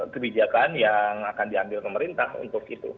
kebijakan yang akan diambil ke merintah untuk itu